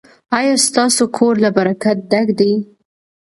ایا ستاسو کور له برکت ډک دی؟